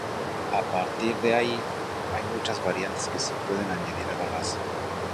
A partir de ahí hay muchas variantes que se pueden añadir a la base.